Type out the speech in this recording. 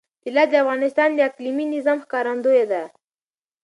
طلا د افغانستان د اقلیمي نظام ښکارندوی ده.